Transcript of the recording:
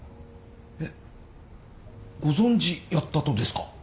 えっご存じやったとですか？